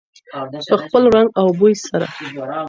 په خپل رنګ او بوی سره.